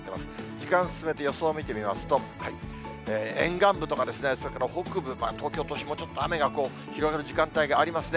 時間進めて予想を見てみますと、沿岸部とか、それから北部、東京都心もちょっと雨がこう、広がる時間帯がありますね。